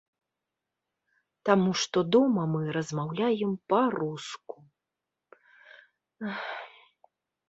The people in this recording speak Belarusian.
Таму што дома мы размаўляем па-руску.